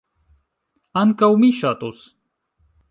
Ankaŭ mi ŝatus.